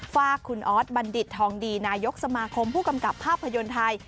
ฝากคุณออสบัณฑิตทองดีนายกสมาคมผู้กำกับภาพยนตร์ไทย